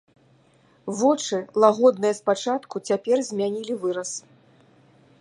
Вочы, лагодныя спачатку, цяпер змянілі выраз.